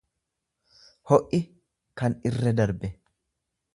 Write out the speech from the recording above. o'i kan irraa darbe.